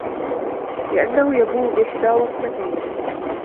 لِأَنَّهُ يَبُوءُ بِإِحْدَى وَصْمَتَيْنِ